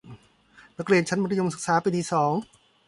นักเรียนชั้นมัธยมศึกษาปีที่สอง